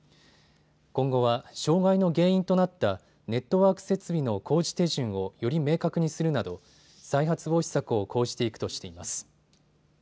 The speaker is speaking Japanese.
今後は障害の原因となったネットワーク設備の工事手順をより明確にするなど再発防止策を講じていくとしています。